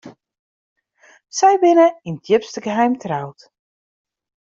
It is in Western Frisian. Sy binne yn it djipste geheim troud.